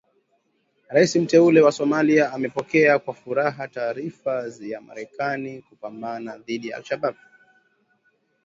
Raisi Mteule wa Somalia amepokea kwa furaha taarifa ya Marekani kupambana dhidi ya Al Shabaab